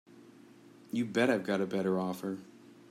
You bet I've got a better offer.